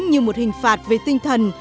như một hình phạt về tinh thần